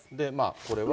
これは。